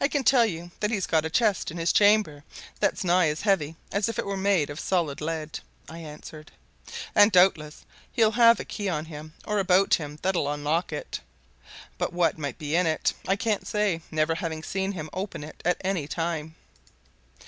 "I can tell you that he's got a chest in his chamber that's nigh as heavy as if it were made of solid lead," I answered. "And doubtless he'll have a key on him or about him that'll unlock it. But what might be in it, I can't say, never having seen him open it at any time."